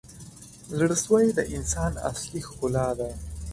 • زړه سوی د انسان اصلي ښکلا ده.